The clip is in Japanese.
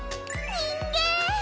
人間！